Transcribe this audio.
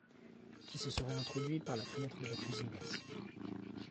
Qui se seraient introduits par la fenêtre de la cuisine basse.